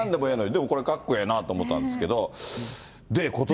でもこれかっこええなって思ったんですけど。